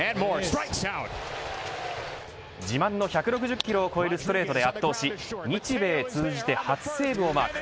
自慢の１６０キロを超えるストレートで圧倒し日米通じて初セーブをマーク。